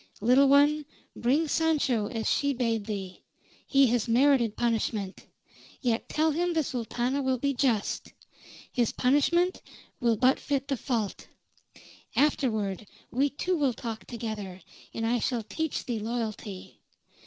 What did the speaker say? "Little one, bring Sancho as she bade thee. He has merited punishment. Yet tell him the Sultana will be just. His punishment will but fit the fault. Afterward we two will talk together, and I shall teach thee loyalty.